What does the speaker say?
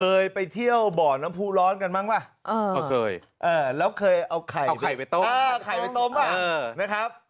เคยไปเที่ยวบ่อน้ำพูร้อนกันมั้งแล้วเคยเอาไข่ไปต้ม